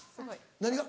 何が？